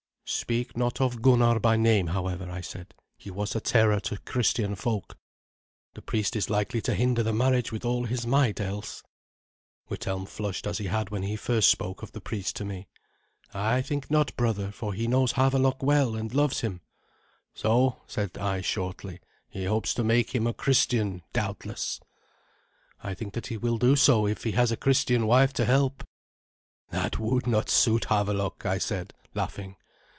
"Speak not of Gunnar by name, however," I said; "he was a terror to Christian folk. The priest is likely to hinder the marriage with all his might else." Withelm flushed as he had when he first spoke of the priest to me. "I think not, brother; for he knows Havelok well, and loves him." "So," said I shortly, "he hopes to make him a Christian, doubtless." "I think that he will do so, if he has a Christian wife to help." "That would not suit Havelok," I said, laughing.